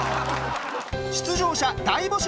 出場者大募集！